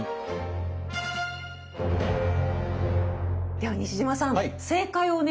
では西島さん正解をお願いします。